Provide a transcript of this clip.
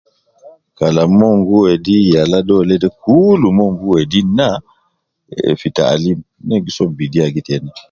Kalam mon gu wedi yala dolede kuul mon gu wedi naa eeh fi taalim ne gi so bidii agi teina.